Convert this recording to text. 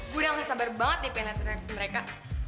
gua udah gak sabar banget nih pengen latihan habis mereka